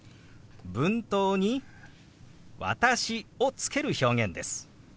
文頭に「私」をつける表現です。